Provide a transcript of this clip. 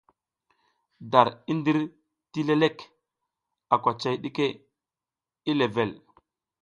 Dar i ndir ti leklek a kwacay ɗike ti level.